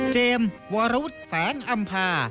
เจมส์วารวุฒิแสงอำภา